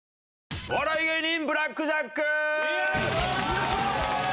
お笑い芸人ブラックジャック！